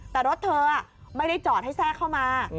แต่รถเธอไม่ได้จอดให้แทรกเข้ามา